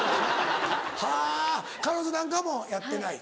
はぁ彼女なんかもやってない？